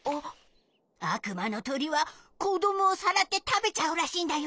あくまのとりはこどもをさらってたべちゃうらしいんだよ。